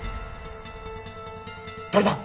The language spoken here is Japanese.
誰だ！？